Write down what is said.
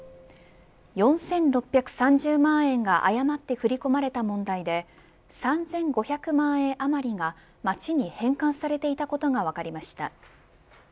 ４６３０万円が誤って振り込まれた問題で３５００万円あまりが町に返還されていたことが分かりました。